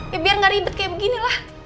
ya biar gak ribet kayak beginilah